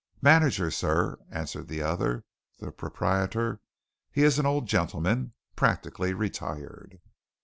"Manager, sir," answered the other. "The proprietor, he is an old gentleman practically retired."